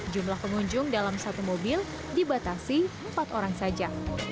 jumlah pengunjung dalam satu mobil dibatasi empat orang saja